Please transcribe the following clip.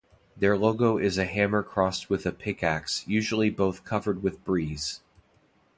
Their logo is a hammer crossed with a pickaxe, usually both covered with breeze.